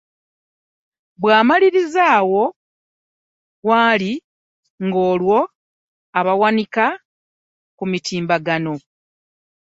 Bwamliriza awo waali nga olwo abiwanika ku mutimbagano .